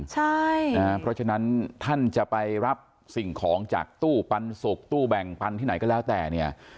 เพราะฉะนั้นท่านจะไปรับสิ่งของจากตู้ปันสุกตู้แบ่งปันที่ไหนก็แล้วแต่เนี่ย